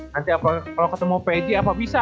nanti kalo ketemu pj apa bisa